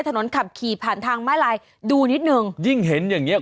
ขับขี่ผ่านทางมาลายดูนิดหนึ่งยิ่งเห็นอย่างเงี้